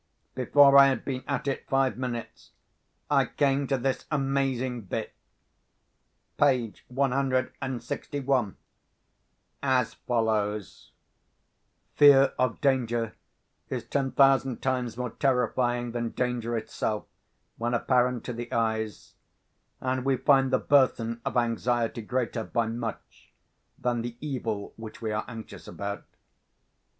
Before I had been at it five minutes, I came to this amazing bit—page one hundred and sixty one—as follows: "Fear of Danger is ten thousand times more terrifying than Danger itself, when apparent to the Eyes; and we find the Burthen of Anxiety greater, by much, than the Evil which we are anxious about."